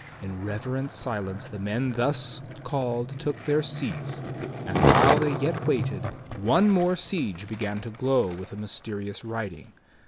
In reverent silence the men thus called took their seats, and while they yet waited, one more siege began to glow with the mysterious writing.